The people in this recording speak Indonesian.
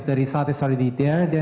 jadi kalau hasilnya sudah ada